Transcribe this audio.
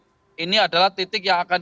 pintu tol pembayaran yang akan ke tanjung priuk